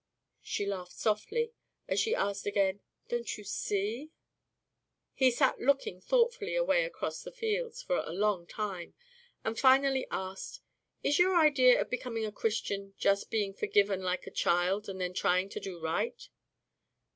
She laughed softly as she asked again, "don't you see?" He sat looking thoughtfully away across the fields for a long time, and finally asked, "Is your idea of becoming a Christian just being forgiven like a child and then trying to do right?"